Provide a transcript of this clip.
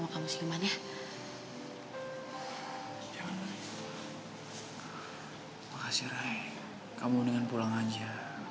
makasih rai kamu mendingan pulang aja